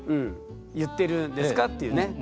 言ってるんですかっていうね。